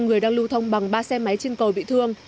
một người đang lưu thông bằng ba xe máy trên cầu bị thương